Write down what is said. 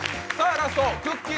ラスト、くっきー！